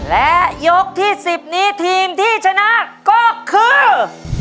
และยกที่๑๐นี้ทีมที่ชนะก็คือ